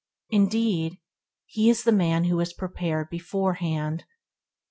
Indeed, he is the man who is prepared beforehand.